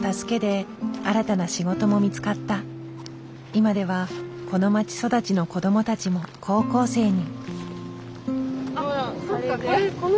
今ではこの町育ちの子どもたちも高校生に。